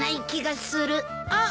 あっ！